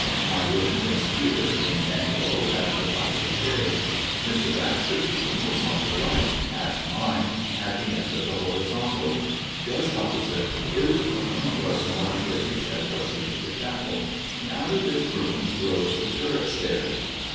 My room was here, in the angle, at the top of Mie stairs. Mr. Baxter's room was on the right, past mine, at the end of the horizontal. Just opposite his room was the one which he said was to be the chapel, and out of this room rose the turret stairs.